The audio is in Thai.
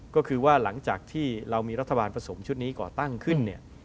ก็คือว่าหลังจากที่เรามีรัฐบาลผสมชุดนี้ก่อตั้งขึ้นเนี่ย